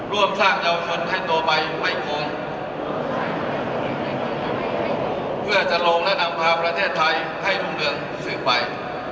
ร่วมสร้างเจ้าชนให้ตัวใบไม่โค้งเพื่อจะโรงและหนังภาพประเทศไทยให้รุ่นเรื่องซึ้งไป